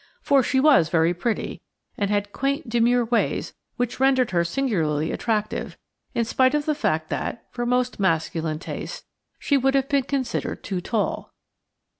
For she was very pretty, and had quaint, demure ways which rendered her singularly attractive, in spite of the fact that, for most masculine tastes, she would have been considered too tall.